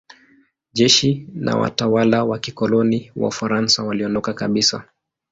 Jeshi na watawala wa kikoloni wa Ufaransa waliondoka kabisa.